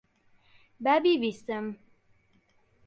با بیبیستم.